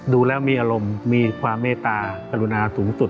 ดูแล้วมีอารมณ์มีความเมตตากรุณาสูงสุด